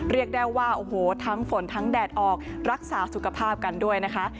เรียกได้ว่าโอ้โหทั้งฝนทั้งแดดออกรักษาสุขภาพกันด้วยนะคะ